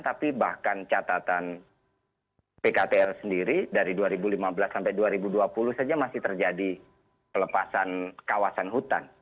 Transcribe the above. tapi bahkan catatan pktl sendiri dari dua ribu lima belas sampai dua ribu dua puluh saja masih terjadi pelepasan kawasan hutan